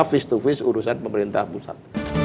face to face urusan pemerintah pusat